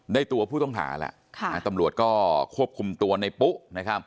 ได้ตัวผู้ต้องหาแล้วตำรวจก็ควบคุมตัวในปุ๊